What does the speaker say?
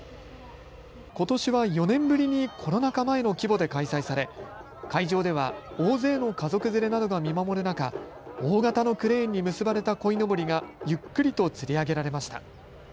ことしは４年ぶりにコロナ禍前の規模で開催され会場では大勢の家族連れなどが見守る中、大型のクレーンに結ばれたこいのぼりがゆっくりとつり上げられました。